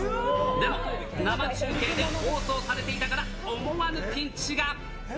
でも生中継で放送されていたから思わぬピンチが。